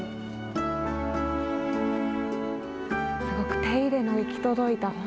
すごく手入れの行き届いた